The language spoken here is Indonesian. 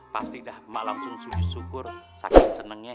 pasti dah mak langsung syukur saking senengnya